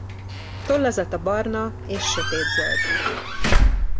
Tollazata barna és sötétzöld.